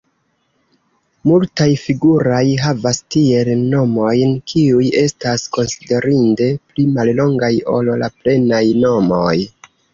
Multaj figuraj havas tiel nomojn, kiuj estas konsiderinde pli mallongaj ol la plenaj nomoj.